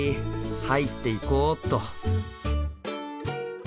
入っていこっと。